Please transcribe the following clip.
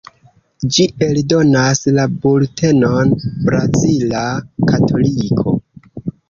Ĝi eldonas la bultenon "Brazila Katoliko".